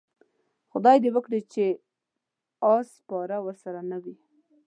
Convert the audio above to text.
خدای دې وکړي چې اس سپاره ورسره نه وي.